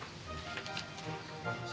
ya itu satu